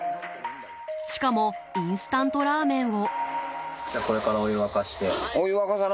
しかもインスタントラーメンを。